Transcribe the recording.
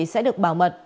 sẽ được bảo mật